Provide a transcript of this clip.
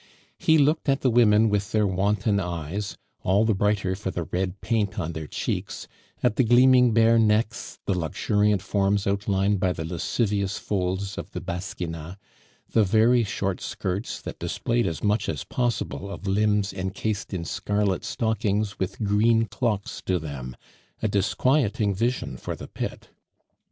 He looked at the women with their wanton eyes, all the brighter for the red paint on their cheeks, at the gleaming bare necks, the luxuriant forms outlined by the lascivious folds of the basquina, the very short skirts, that displayed as much as possible of limbs encased in scarlet stockings with green clocks to them a disquieting vision for the pit.